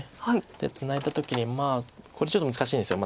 でツナいだ時にこれちょっと難しいんです。